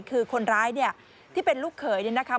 คือคนร้ายเนี่ยที่เป็นลูกเขยเนี่ยนะคะ